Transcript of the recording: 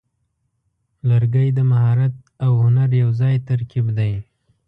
لرګی د مهارت او هنر یوځای ترکیب دی.